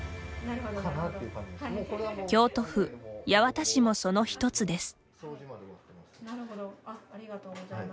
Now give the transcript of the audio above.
京都府八幡市もその一つです。